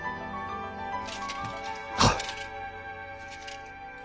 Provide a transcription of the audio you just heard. はっ。